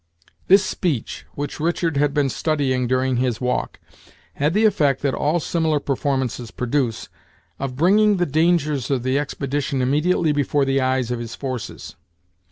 This speech, which Richard had been studying during his walk, had the effect that all similar performances produce, of bringing the dangers of the expedition immediately before the eyes of his forces.